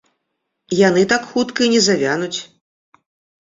Яны так хутка і не завянуць.